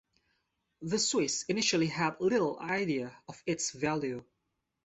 The Swiss initially had little idea of its value.